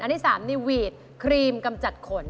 อันนี่๓นี่วีดเครียมกำจัดขน